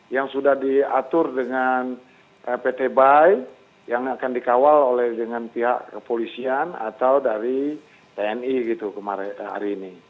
yang sudah diatur dengan pt bai yang akan dikawal oleh dengan pihak kepolisian atau dari tni gitu kemarin hari ini